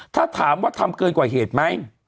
ถ้าถามว่าทำเกินกว่าเหตุไหม